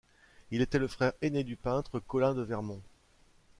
Il était le frère ainé du peintre Colin de Vermont.